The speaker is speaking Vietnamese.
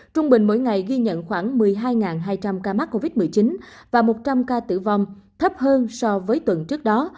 trung bình mỗi ngày ghi nhận khoảng một mươi hai hai trăm linh ca mắc covid một mươi chín và một trăm linh ca tử vong thấp hơn so với tuần trước đó